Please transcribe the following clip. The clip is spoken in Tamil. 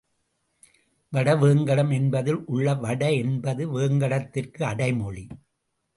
வடவேங்கடம் என்பதில் உள்ள வட என்பது வேங்கடத்திற்கு அடைமொழி.